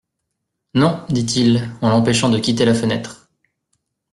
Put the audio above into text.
Non, dit-il, en l'empêchant de quitter la fenêtre.